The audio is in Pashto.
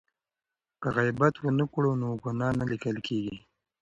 که غیبت ونه کړو نو ګناه نه لیکل کیږي.